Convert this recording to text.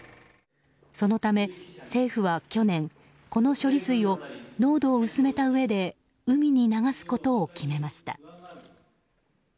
そのため政府は去年この処理水を濃度を薄めたうえで海に流すことを決めました。